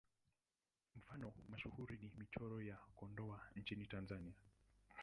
Mfano mashuhuri ni Michoro ya Kondoa nchini Tanzania.